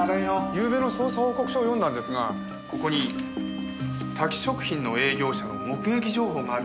ゆうべの捜査報告書を読んだんですがここにタキ食品の営業車の目撃情報があるんです。